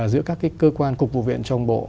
giữa các cơ quan cục vụ viện trong bộ